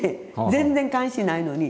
全然関心ないのに。